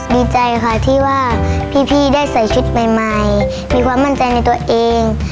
ดีใจค่ะที่ว่าพี่ได้ใส่ชุดใหม่มีความมั่นใจในตัวเอง